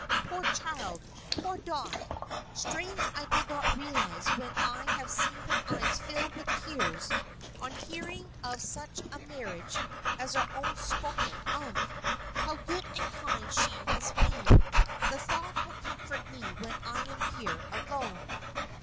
Poor child! Poor Dot! Strange I did not realize when I have seen her eyes fill with tears on hearing of such a marriage as our own spoken of. How good and kind she has been! The thought will comfort me when I am here alone."